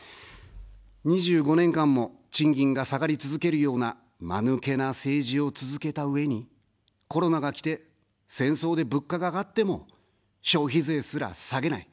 ２５年間も賃金が下がり続けるような、まぬけな政治を続けたうえに、コロナがきて、戦争で物価が上がっても、消費税すら下げない。